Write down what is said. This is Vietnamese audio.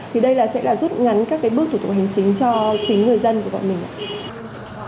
thì đây sẽ là rút ngắn các bước thủ tục hành chính cho chính người dân của bọn mình ạ